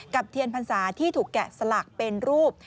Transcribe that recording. เทียนพรรษาที่ถูกแกะสลักเป็นรูป